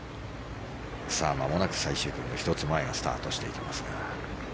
まもなく最終組の１つ前がスタートしていきますが。